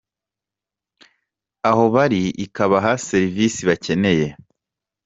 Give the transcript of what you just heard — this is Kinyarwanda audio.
aho bari ikabaha serivisi bakeneye.